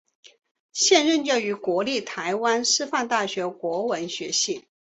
现任教于国立台湾师范大学国文学系。